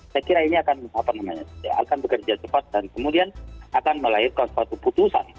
saya kira ini akan bekerja cepat dan kemudian akan melahirkan suatu putusan